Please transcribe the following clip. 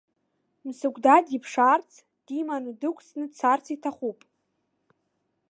Мсыгәда диԥшаарц, диманы дықәҵны дцарц иҭахуп.